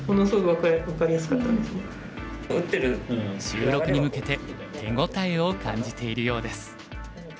収録に向けて手応えを感じているようです。